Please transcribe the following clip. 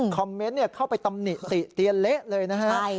เมนต์เข้าไปตำหนิติเตียนเละเลยนะฮะ